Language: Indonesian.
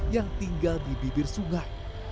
yang tinggal di bibir sungai